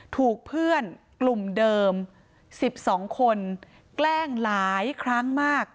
ถูกเพื่อนกลุ่มเดิม๑๒คนแกล้งหลายครั้งมาก